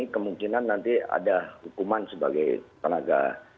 kemungkinan nanti ada hukuman sebagai tenaga